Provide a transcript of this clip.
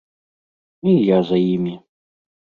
І я за імі.